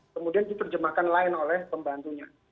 kemudian diterjemahkan lain oleh pembantunya